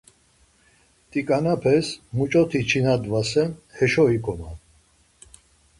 Tiǩanepes muç̌oti çinadvasen heşo ikoman.